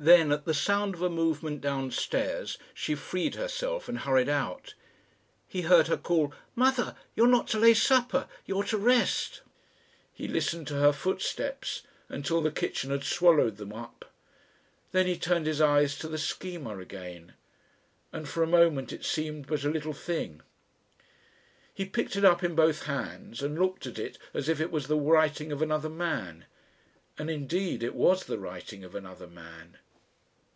Then at the sound of a movement downstairs she freed herself and hurried out. He heard her call "Mother! You're not to lay supper. You're to rest." He listened to her footsteps until the kitchen had swallowed them up. Then he turned his eyes to the Schema again and for a moment it seemed but a little thing. He picked it up in both hands and looked at it as if it was the writing of another man, and indeed it was the writing of another man.